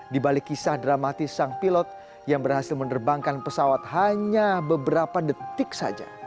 di balik kisah dramatis sang pilot yang berhasil menerbangkan pesawat hanya beberapa detik saja